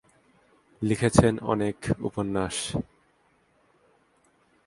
লিখেছেন অনেক উপন্যাস।